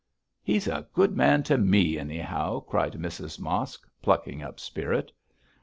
'He's a good man to me, anyhow,' cried Mrs Mosk, plucking up spirit.